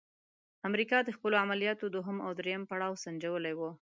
امریکا د خپلو عملیاتو دوهم او دریم پړاو سنجولی وو.